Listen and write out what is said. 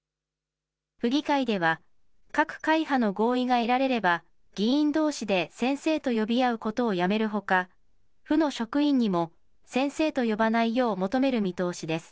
府議会では、各会派の合意が得られれば議員どうしで先生と呼び合うことをやめるほか、府の職員にも先生と呼ばないよう求める見通しです。